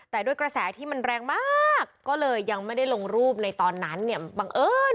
แต่ด้วยกระแสที่มันแรงมากก็เลยยังไม่ได้ลงรูปในตอนนั้นเนี่ยบังเอิญ